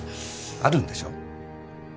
あるんでしょ？